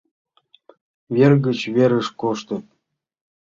«Вер гыч верыш коштыт...»